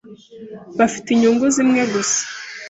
ba fi te inyungu zimwe gusa